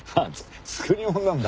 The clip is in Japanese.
作り物なんだ。